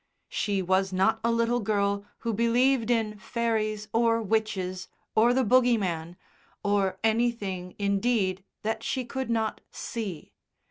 She was not a little girl who believed in fairies or witches or the "bogey man," or anything indeed that she could not see.